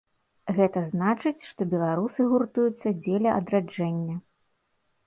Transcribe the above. Гэта значыць, што беларусы гуртуюцца дзеля адраджэння.